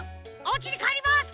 おうちにかえります！